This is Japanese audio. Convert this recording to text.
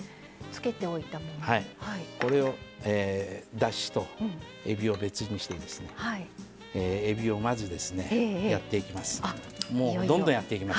だしと、えびを別にしてえびをまずやっていきます。